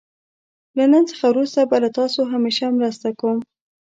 له نن څخه وروسته به له تاسو همېشه مرسته کوم.